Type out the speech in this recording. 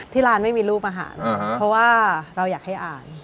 ที่ร้านไม่มีรูปอาหารเพราะว่าเราอยากให้อ่าน